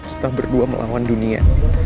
kita berdua melawan dunia